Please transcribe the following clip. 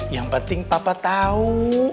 yang penting papa tau